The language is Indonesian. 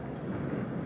weh mari dikatakan